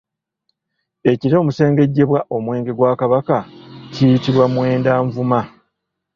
Ekita omusengejjebwa omwenge gwa Kabaka kiyitibwa Mwendanvuma.